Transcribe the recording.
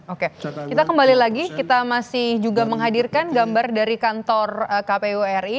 oke kita kembali lagi kita masih juga menghadirkan gambar dari kantor kpu ri